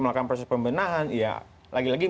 melakukan proses pembenahan ya lagi lagi